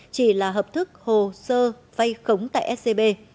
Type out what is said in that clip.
chỉ là hợp thức hồ sơ vay khống tại scb